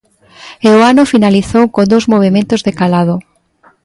E o ano finalizou con dous movementos de calado.